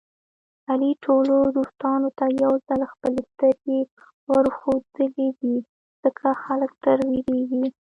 علي ټولو دوستانو ته یوځل خپلې سترګې ورښودلې دي. ځکه خلک تر وېرېږي.